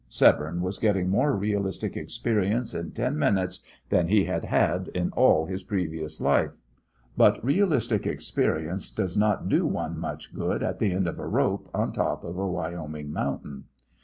Severne was getting more realistic experience in ten minutes than he had had in all his previous life; but realistic experience does not do one much good at the end of a rope on top of a Wyoming mountain.